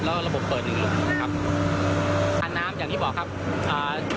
แล้วก็ระบบเปิดหนึ่งหลุมครับน้ำอย่างที่บอกครับอ่า